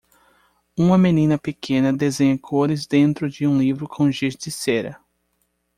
Uma menina pequena desenha cores dentro de um livro com giz de cera